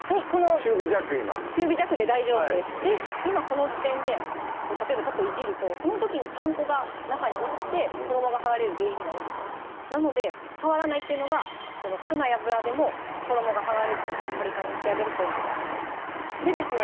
中火弱今中火弱で大丈夫ですで今この時点で例えばちょっといじるとその時にパン粉が中に落ちて衣が剥がれる原因になるんですよなので触らないっていうのが少ない油でも衣が剥がれずにカリカリに仕上げるポイントですでですね